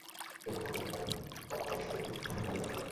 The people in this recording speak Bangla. এরপর শহরতলির বাদেকল্পা বাইপাস এলাকায় একটি ধানখেতে নাদিরার লাশ পাওয়া যায়।